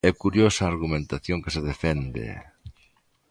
É curiosa a argumentación que se defende.